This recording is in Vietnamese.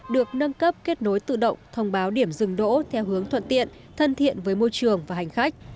được nâng cấp kết nối tự động thông báo điểm dừng đỗ theo hướng thuận tiện thân thiện với môi trường và hành khách